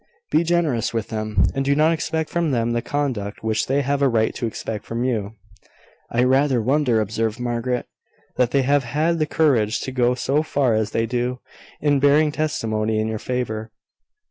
Be generous with them; and do not expect from them the conduct which they have a right to expect from you." "I rather wonder," observed Margaret, "that they have had the courage to go so far as they do, in bearing testimony in your favour."